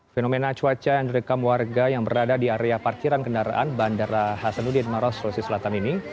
fenomena cuaca yang direkam warga yang berada di area parkiran kendaraan bandara hasanuddin maros sulawesi selatan ini